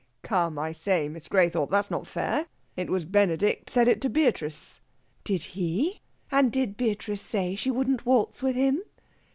"Come, I say, Miss Graythorpe, that's not fair. It was Benedict said it to Beatrice." "Did he? And did Beatrice say she wouldn't waltz with him?"